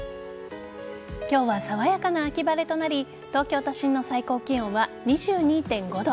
今日は爽やかな秋晴れとなり東京都心の最高気温は２２．５度。